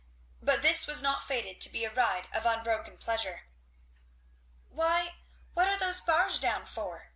But this was not fated to be a ride of unbroken pleasure. "Why what are those bars down for?"